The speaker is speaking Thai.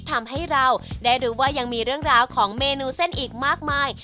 ทำให้เราได้รู้ว่ายังมีเรื่องราวของเมนูเส้นอีกมากมาย